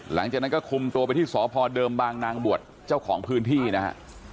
หลังจากนั้นก็คุมตัวไปที่สพเดิมบางนางบวชเจ้าของพื้นที่นะฮะ